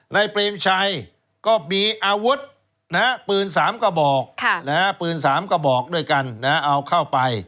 ในเปรมชัยก็มีอาวุธนะฮะปืน๓กระบอกนะฮะปืน๓กระบอกด้วยกันนะฮะเอาเข้าไป